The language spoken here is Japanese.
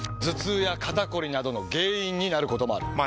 頭痛や肩こりなどの原因になることもある。